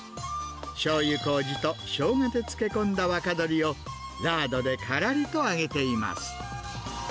しょうゆこうじとショウガで漬け込んだ若鶏を、ラードでからりと揚げています。